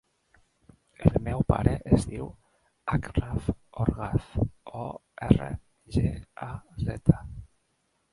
El meu pare es diu Achraf Orgaz: o, erra, ge, a, zeta.